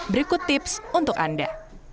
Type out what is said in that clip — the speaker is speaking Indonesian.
berikut tips untuk anda